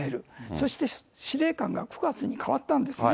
そして司令官が９月に代わったんですね。